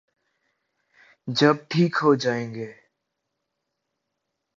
جب ٹھیک ہو جائیں گے۔